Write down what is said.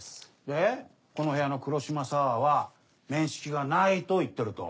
でこの部屋の黒島沙和は面識がないと言ってると。